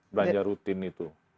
belanja rutin itu